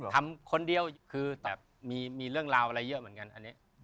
ทำคนเดียวคือแต่มีเรื่องราวอะไรเยอะเหมือนกันอันนี้